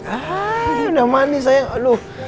ahhh udah mandi sayang aduh